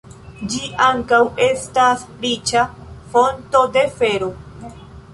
Ĝi ankaŭ estas riĉa fonto de fero.